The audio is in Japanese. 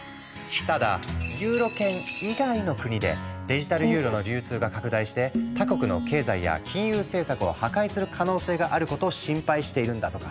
ただユーロ圏以外の国でデジタルユーロの流通が拡大して他国の経済や金融政策を破壊する可能性があることを心配しているんだとか。